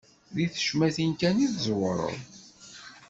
Di tecmatin kan i tẓewreḍ.